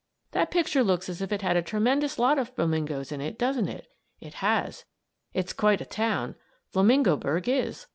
That picture looks as if it had a tremendous lot of flamingoes in it, doesn't it? It has. It's quite a town, Flamingoburg is.